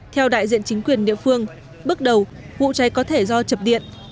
theo đại diện chính quyền địa phương bước đầu vụ cháy có thể do chập điện